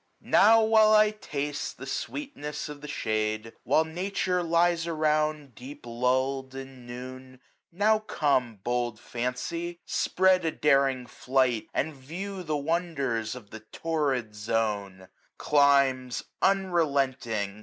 Now, while I taste the sweetness of the shade. While Nature lies around deep luUM in Noon, 630 Now come ^ bold Fancy, spread a daring flight. And view the wonders of the Torrid Zone : Climes unrelenting